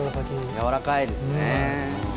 やわらかいですね。